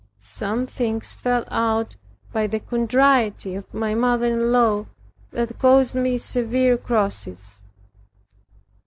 Some things fell out by the contrariety of my mother in law that caused me severe crosses.